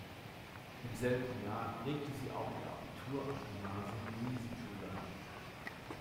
Im selben Jahr legte sie auch ihr Abitur am Gymnasium Luisenschule ab.